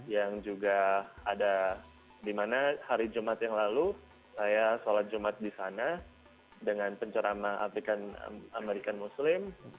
yang juga ada di mana hari jumat yang lalu saya sholat jumat di sana dengan pencerama afrikan american muslim